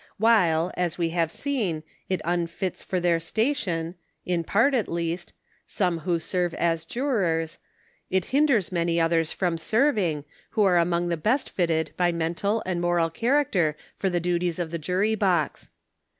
While, as we have seen, it unfits for their station — in part at least —some who serve as jurors, it hinders many others from serv ing, who are among the best fitted by mental and moral cha racter for the duties of the jury box.